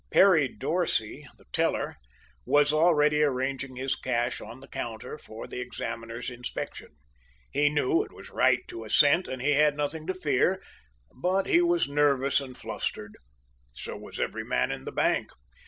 Perry Dorsey, the teller, was already arranging his cash on the counter for the examiner's inspection. He knew it was right to a cent, and he had nothing to fear, but he was nervous and flustered. So was every man in the bank.